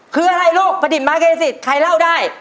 คืออะไรลูกประดิษฐ์ไม้กายยะสิทธิ์ใครเล่าได้